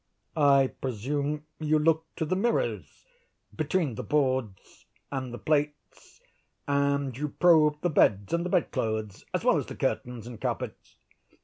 "I presume you looked to the mirrors, between the boards and the plates, and you probed the beds and the bed clothes, as well as the curtains and carpets."